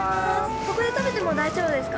ここで食べても大丈夫ですか？